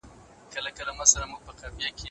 ځينو پروګرامونو د کرکې فضا رامنځته کړې ده.